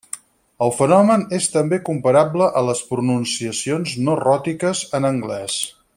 El fenomen és també comparable a les pronunciacions no ròtiques en anglès.